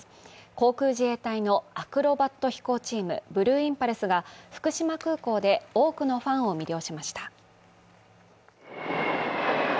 航空自衛隊のアクロバット飛行チーム、ブルーインパルスが福島空港で多くのファンを魅了しました。